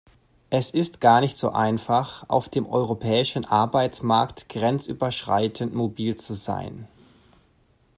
Es ist gar nicht so einfach, auf dem europäischen Arbeitsmarkt grenzüberschreitend mobil zu sein.